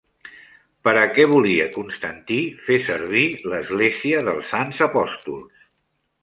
Per a què volia Constantí fer servir l'església dels Sants Apòstols?